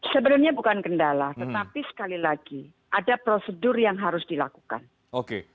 sebenarnya bukan kendala tetapi sekali lagi ada prosedur yang harus dilakukan